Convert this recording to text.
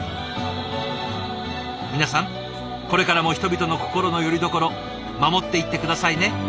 皆さんこれからも人々の心のよりどころ守っていって下さいね。